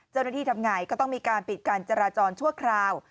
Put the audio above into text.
เจ้าหน้าที่ทำไงก็ต้องมีการปิดการจราจรชั่วคราว